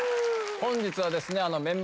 本日はですね